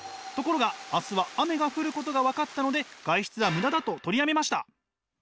ところが明日は雨が降ることが分かったので外出はムダだと取りやめました。